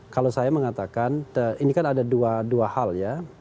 kalau saya mengatakan ini kan ada dua hal ya